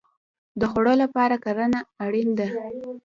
د خوړو لپاره کرنه اړین ده